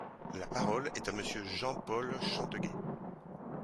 La parole est à Monsieur Jean-Paul Chanteguet.